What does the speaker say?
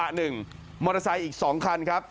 มอเตอร์ไซค์อีก๒คันครับ